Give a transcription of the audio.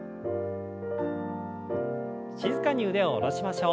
静かに腕を下ろしましょう。